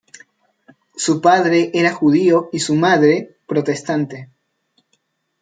Su padre era judío y su madre, protestante.